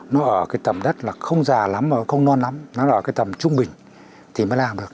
nó ở cái tầm đất là không già lắm không non lắm nó là ở cái tầm trung bình thì mới làm được